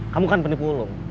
kamu kan penipu ulung